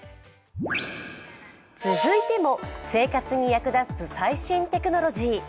続いても生活に役立つ最新テクノロジー。